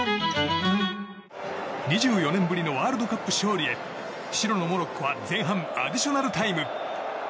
２４年ぶりのワールドカップ勝利へ白のモロッコは前半アディショナルタイム。